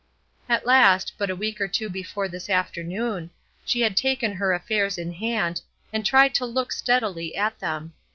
At last, but a week or two before this afternoon, she had taken her affairs in hand, and tried to look steadily at them.